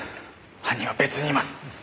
犯人は別にいます。